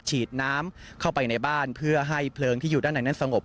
ฉีดน้ำเข้าไปในบ้านเพื่อให้เพลิงที่อยู่ด้านในนั้นสงบ